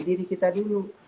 diri kita dulu